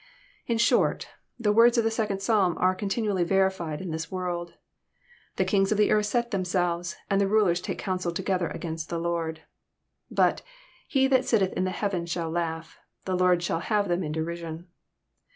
— In short, the words of the second Psalm are continually verified in this world :^' The kings of the earth set themselves, and the rulers take counsel together against the Lord." But ^^He that sitteth in the heavens shall laugh; the Lord shall have them in derision."